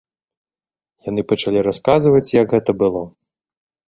Яны пачалі расказваць, як гэта было.